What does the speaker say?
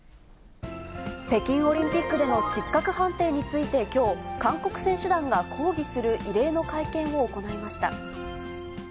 北京オリンピックでの失格判定についてきょう、韓国選手団が抗議する異例の会見を行いました。